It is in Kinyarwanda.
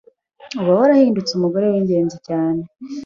uba warahindutse umugore w’ingenzi cyane.